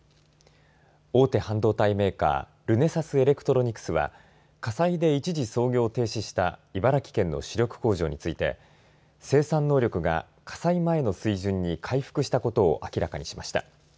大手半導体メーカールネサスエレクトロニクスは火災で一時操業を停止した茨城県の主力工場について生産能力が火災前の水準に回復したことを明らかにしました。